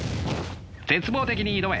絶望的に挑め！